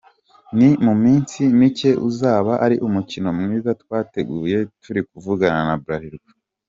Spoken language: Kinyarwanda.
Ni mu minsi mike uzaba ari umukino mwiza twateguye, turi kuvugana na Bralirwa.